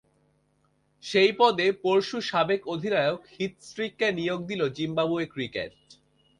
সেই পদে পরশু সাবেক অধিনায়ক হিথ স্ট্রিককে নিয়োগ দিল জিম্বাবুয়ে ক্রিকেট।